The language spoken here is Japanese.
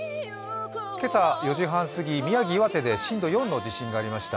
今朝４時半すぎ、宮城、岩手で震度４の地震がありました。